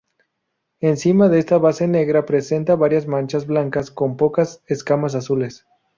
Encima de esta base negra presenta varias manchas blancas con pocas escamas azules.